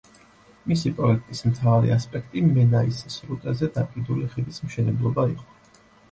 მისი პროექტის მთავარი ასპექტი მენაის სრუტეზე დაკიდული ხიდის მშენებლობა იყო.